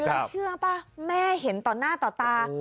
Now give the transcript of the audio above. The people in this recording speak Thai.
แล้วเชื่อป่ะแม่เห็นต่อหน้าต่อตา